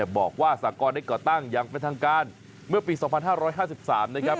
บอกว่าสากรได้ก่อตั้งอย่างเป็นทางการเมื่อปี๒๕๕๓นะครับ